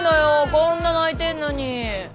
こんな泣いてんのに。